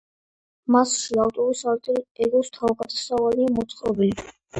მასში ავტორის ალტერ ეგოს თავგადასავალია მოთხრობილი.